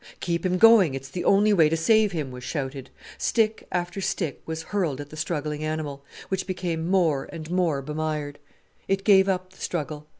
"Keep him going, it's the only way to save him," was shouted. Stick after stick was hurled at the struggling animal, which became more and more bemired. It gave up the struggle.